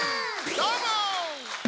どーも！